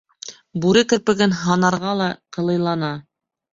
Бүре керпеген һанарға ла ҡылыйлана.